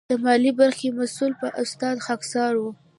د مالي برخې مسؤل مو استاد خاکسار و.